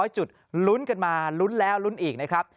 ๐จุดลุ้นกันมาลุ้นแล้วลุ้นอีกนะครับ